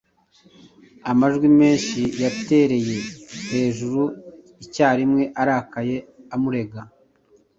Amajwi menshi yatereye hejuru icyarimwe arakaye amurega;